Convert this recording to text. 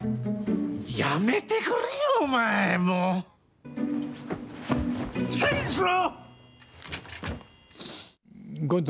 やめてくれよ、おまえ、もういいかげんにしろ。